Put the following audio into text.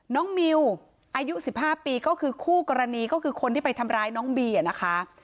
มิวอายุ๑๕ปีก็คือคู่กรณีก็คือคนที่ไปทำร้ายน้องบีนะคะ